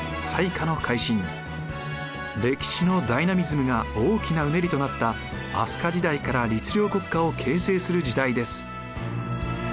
歴史のダイナミズムが大きなうねりとなった飛鳥時代から律令国家を形成する時代です。